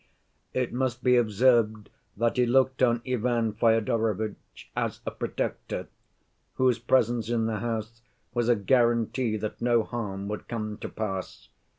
"It must be observed that he looked on Ivan Fyodorovitch as a protector, whose presence in the house was a guarantee that no harm would come to pass.